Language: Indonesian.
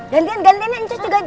gantian gantian ya incus juga